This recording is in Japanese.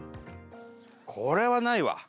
これはないわ。